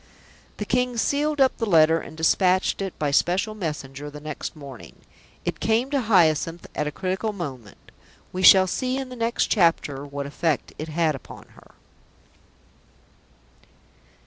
The King sealed up the letter and despatched it by special messenger the next morning. It came to Hyacinth at a critical moment. We shall see in the next chapter what effect it had upon her.